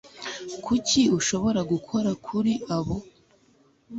niki ushobora gukora kuri abo